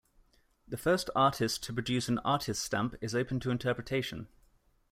The first artist to produce an "artist's stamp" is open to interpretation.